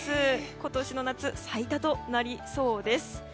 今年の夏、最多となりそうです。